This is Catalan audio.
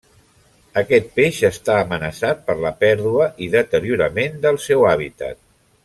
Aquest peix està amenaçat per la pèrdua i deteriorament del seu hàbitat.